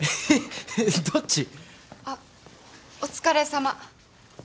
あっお疲れさま。